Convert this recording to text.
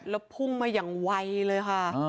แล้วพุ่งมาอย่างไวเลยค่ะ